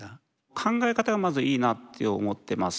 考え方がまずいいなって思ってます。